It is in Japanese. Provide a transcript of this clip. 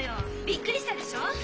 びっくりしたでしょう！